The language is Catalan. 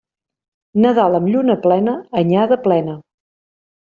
Nadal amb lluna plena, anyada plena.